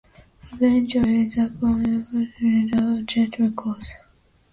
Eventually, the Prudential evicted Jet Records.